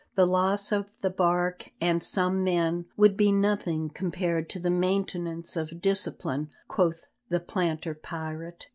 The loss of the bark and some men would be nothing compared to the maintenance of discipline, quoth the planter pirate.